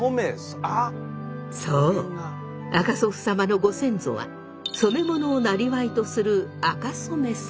そう赤祖父様のご先祖は染め物をなりわいとする赤染様。